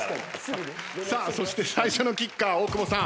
さあそして最初のキッカー大久保さん。